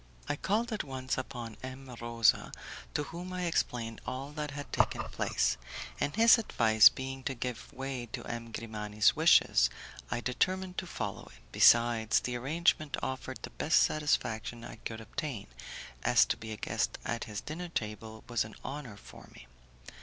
I called at once upon M. Rosa, to whom I explained all that had taken place, and his advice being to give way to M. Grimani's wishes, I determined to follow it. Besides, the arrangement offered the best satisfaction I could obtain, as to be a guest at his dinner table was an honour for me.